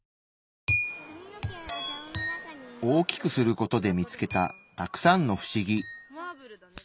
大きくする事で見つけたたくさんのフシギ。